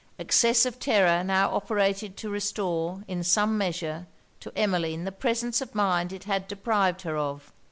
Excess of terror now operated to restore, in some measure, to Emmeline the presence of mind it had deprived her of.